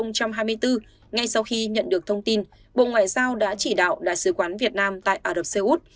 năm hai nghìn hai mươi bốn ngay sau khi nhận được thông tin bộ ngoại giao đã chỉ đạo đại sứ quán việt nam tại ả rập xê út